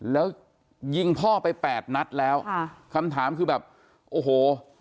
แล้วยิงพ่อไปแปดนัดแล้วค่ะคำถามคือแบบโอ้โห